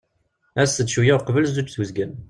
As-t-d cwiya uqbel zzuǧ d uzgen.